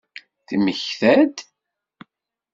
Temmekta-d?